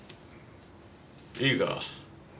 いいか？